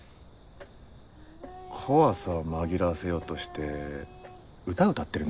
怖さを紛らわせようとして歌歌ってるね。